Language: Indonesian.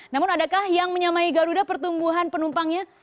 namun adakah yang menyamai garuda pertumbuhan penumpangnya